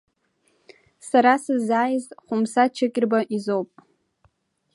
Сара сыззааиз, Хәымса Чырқьба изоуп.